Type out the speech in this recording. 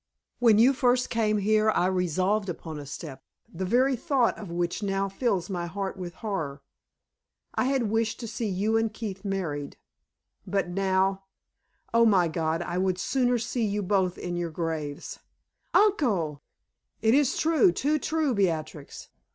When you first came here I resolved upon a step, the very thought of which now fills my heart with horror. I had wished to see you and Keith married, but now Oh, my God! I would sooner see you both in your graves." "Uncle!" "It is true too true, Beatrix.